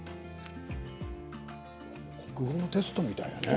国語のテストみたい。